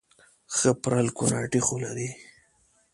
ښه پرل کوناټي خو لري